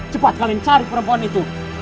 cepat kalian cari perempuan itu